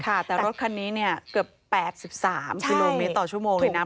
ค่ะแต่รถคันนี้เนี่ยเกือบ๘๓กิโลเมตรต่อชั่วโมงเลยนะ